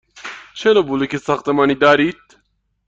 چه نوع بلوک ساختمانی دارید؟